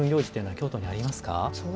京都にありますか。